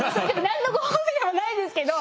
何のご褒美でもないですけど。